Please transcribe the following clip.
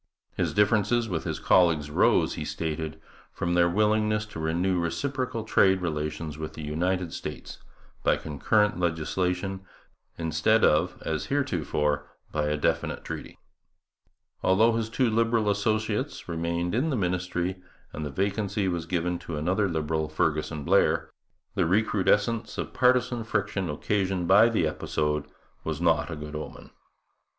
His difference with his colleagues arose, he stated, from their willingness to renew reciprocal trade relations with the United States by concurrent legislation instead of, as heretofore, by a definite treaty. Although his two Liberal associates remained in the ministry, and the vacancy was given to another Liberal, Fergusson Blair, the recrudescence of partisan friction occasioned by the episode was not a good omen.